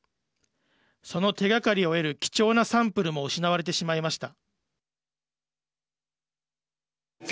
その手がかりを得る貴重なサンプルも失われてしまいました。